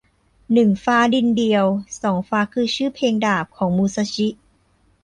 หนึ่งฟ้าดินเดียว สองฟ้าคือชื่อเพลงดาบของมุซาชิ